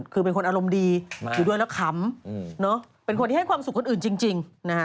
คือเป็นคนอารมณ์ดีอยู่ด้วยแล้วขำเป็นคนที่ให้ความสุขคนอื่นจริง